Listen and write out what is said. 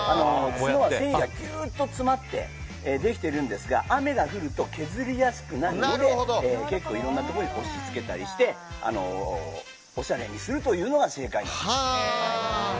角は繊維がギュッと詰まってできているんですが雨が降ると削りやすくなるのでいろんなところに押し付けたりしておしゃれにするというのが正解です。